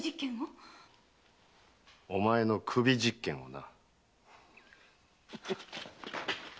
お前の首実験をな。